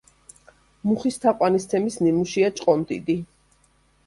მუხის თაყვანისცემის ნიმუშია ჭყონდიდი.